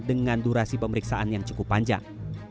dengan durasi pemeriksaan yang cukup panjang